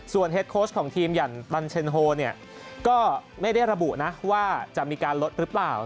ส่วนเฮ็ดโคชของทีมหยั่นตันเชนโฮก็ไม่ได้ระบุว่าจะมีการลดหรือเปล่า